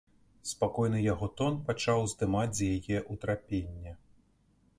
Спакойны яго тон пачаў здымаць з яе ўтрапенне.